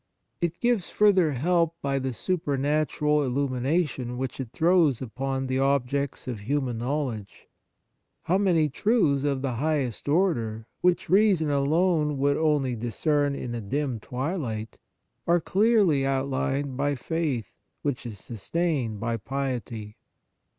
It gives further help by the super natural illumination which it throws upon the objects of human know ledge. How many truths of the highest order, which reason alone On Piety would only discern in a dim twilight, are clearly outlined by faith, which is sustained by piety.